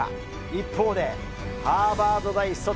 一方で、ハーバード大卒。